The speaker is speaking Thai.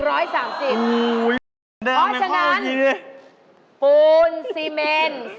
โอ๊ยแผนเดิมข้ออีก